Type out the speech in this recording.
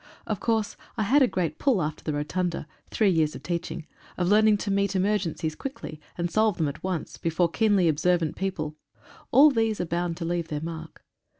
Of course I had a great pull after the Rotunda — three years of teaching — of learning to meet emergencies quickly, and solve them at once, before keenly observant people — all these are bound to leave their mark.